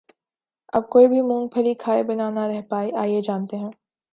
اب کوئی بھی مونگ پھلی کھائے بنا نہ رہ پائے آئیے جانتے ہیں